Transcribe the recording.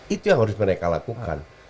itu yang harus mereka lakukan